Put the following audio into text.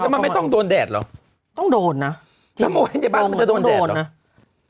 มันไม่ต้องโดนแดดเหรอต้องโดนน่ะจริงจริงมันจะโดนแดดเหรอ